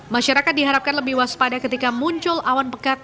masyarakat diharapkan lebih waspada ketika muncul awan pekat